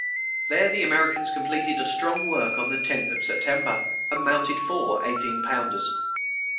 There the Americans completed a strong work on the 10th of September, and mounted four eighteen pounders.